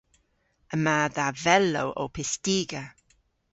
Yma dha vellow ow pystiga.